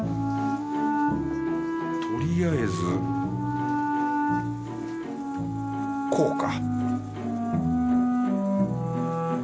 とりあえずこうか？